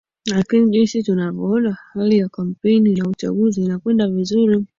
lakini jinsi tunavyoona hali ya kampeni na uchaguzi inakwenda vizuri